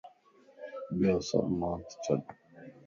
ٻيو سڀ مانت ڇڏ